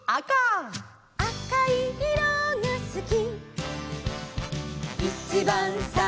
「あおいいろがすき」